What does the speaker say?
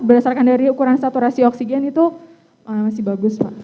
berdasarkan dari ukuran saturasi oksigen itu masih bagus pak